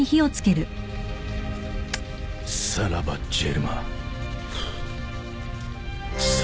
さらばジェルマフゥー。